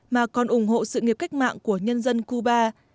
mà còn ủng hộ sự nghiệp cách mạng của nhân dân cuba